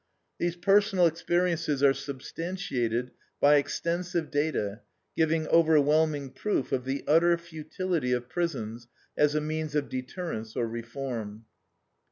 These personal experiences are substantiated by extensive data giving overwhelming proof of the utter futility of prisons as a means of deterrence or reform.